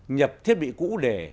nhập thiết bị cũ để